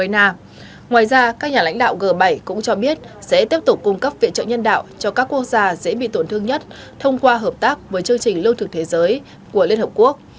ngoài ra các nhà lãnh đạo g bảy cũng cho biết sẽ tiếp tục cung cấp viện trợ nhân đạo cho các quốc gia dễ bị tổn thương nhất thông qua hợp tác với chương trình lương thực thế giới của liên hợp quốc